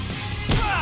reh udah reh